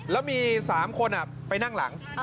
แล้วมี๓คนไปนั่งหลัง